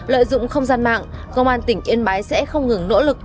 lợi dụng không gian mạng công an tỉnh yên bái sẽ không ngừng nỗ lực